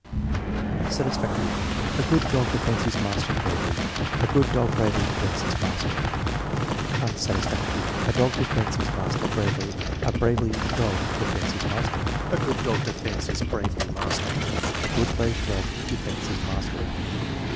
(c) Satisfactory. "A good dog defends his master bravely." "A good dog bravely defends his master.'* ' Unsatisfactory. "A dog defends his master bravely." "A bravely dog defends his master." "A good dog defends his bravely master." ) "A good brave dog defends his master."